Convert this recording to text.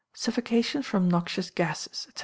Suffocation from Noxious Gases, &c.